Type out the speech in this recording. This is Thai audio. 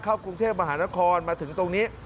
เข้ากรุงเทพมหานครมาถึงตรงนี้